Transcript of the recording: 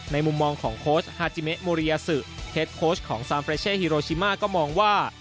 มุมมองของโค้ชฮาจิเมะโมเรียซึเฮดโค้ชของซานเฟรเช่ฮิโรชิมาก็มองว่า